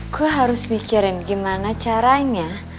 gue harus mikirin gimana caranya